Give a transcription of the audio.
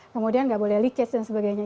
kemudian nggak boleh licharge dan sebagainya